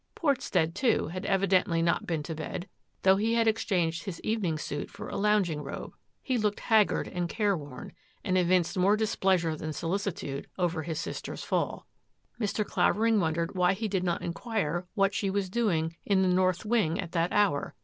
Portstead, too, had evidently not been to bed, though he had exchanged his evening suit for a lounging robe. He looked haggard and care worn, and evinced more displeasure than solicitude over his sister's fall. Mr. Clavering wondered why he did not inquire what she was doing in the north wing at that hour.